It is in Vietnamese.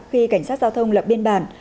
khi cảnh sát giao thông lập biên bản